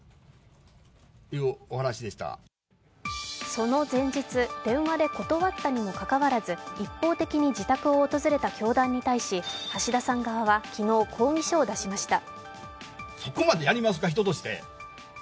その前日、電話で断ったにもかかわらず一方的に自宅を訪れた教団に対し、橋田さん側は昨日、抗議書を出しました。